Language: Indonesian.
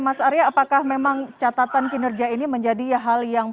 mas arya apakah memang catatan kinerja ini menjadi hal yang